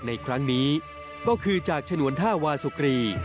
ในครั้งนี้ก็คือจากฉนวนท่าวาสุกรี